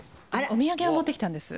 お土産を持ってきたんです。